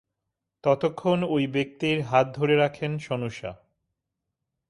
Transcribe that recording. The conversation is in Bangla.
ততক্ষণ ওই ব্যক্তির হাত ধরে রাখেন সনুশা।